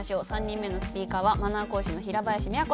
３人目のスピーカーはマナー講師の平林都さんです。